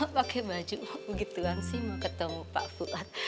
pake baju begituan sih mau ketemu pak fuad